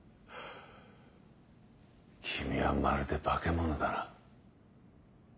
君はまるで化け物だな。